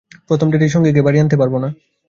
প্রথম ডেটেই সঙ্গীকে বাড়িতে আনতে পারবো না।